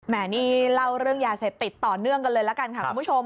นี่เล่าเรื่องยาเสพติดต่อเนื่องกันเลยละกันค่ะคุณผู้ชม